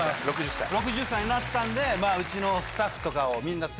６０歳になったんでうちの。